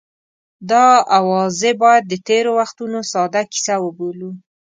دا اوازې باید د تېرو وختونو ساده کیسه وبولو.